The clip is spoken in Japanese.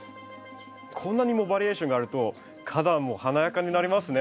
こんなにもバリエーションがあると花壇も華やかになりますね。